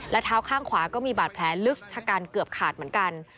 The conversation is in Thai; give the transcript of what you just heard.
เท้าข้างขวาก็มีบาดแผลลึกชะกันเกือบขาดเหมือนกัน